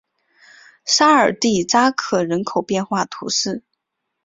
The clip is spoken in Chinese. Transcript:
沙尔蒂扎克人口变化图示